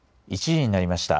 １時になりました。